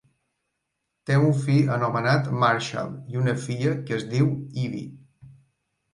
Té un fill anomenat Marshall i una filla que es diu Ivy.